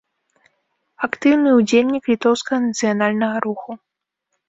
Актыўны ўдзельнік літоўскага нацыянальнага руху.